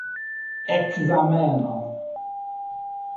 ekzameno